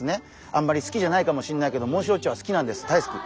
あんまり好きじゃないかもしれないけどモンシロチョウは好きなんです大好き。